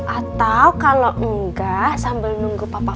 atau kalau enggak sambil nunggu papa pulang